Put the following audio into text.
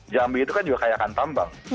jambi itu kan juga kayak akan tambang